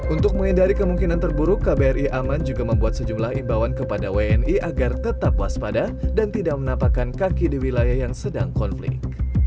untuk menghindari kemungkinan terburuk kbri aman juga membuat sejumlah imbauan kepada wni agar tetap waspada dan tidak menapakan kaki di wilayah yang sedang konflik